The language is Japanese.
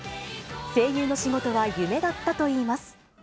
声優の仕事は夢だったといいます。